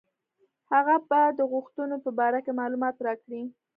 هغه به د غوښتنو په باره کې معلومات راکړي.